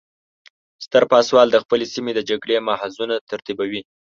ستر پاسوال د خپلې سیمې د جګړې محاذونه ترتیبوي.